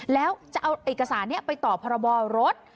แล้วจะเอาเอกสารนี้ไปต่อพรบรถ